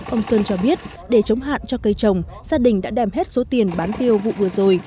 ông sơn cho biết để chống hạn cho cây trồng gia đình đã đem hết số tiền bán tiêu vụ vừa rồi